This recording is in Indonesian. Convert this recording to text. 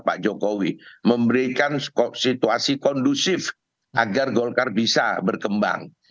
pak jokowi memberikan situasi kondusif agar golkar bisa berkembang